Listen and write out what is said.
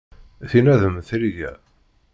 Tinna d mm tirga.